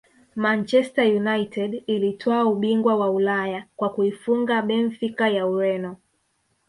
manchester united ilitwaa ubingwa wa ulaya kwa kuifunga benfica ya Ureno